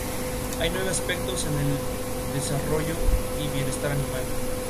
Hay nueve aspectos en el aspecto del desarrollo y bienestar animal.